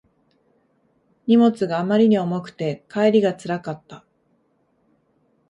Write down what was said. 荷物があまりに重くて帰りがつらかった